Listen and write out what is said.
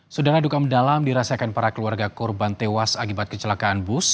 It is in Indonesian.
sudara duka mendalam dirasakan para keluarga korban tewas akibat kecelakaan bus